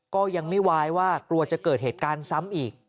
ก็ยังไม่วายว่ากลัวจะเกิดเหตุการณ์ซ้ำอีก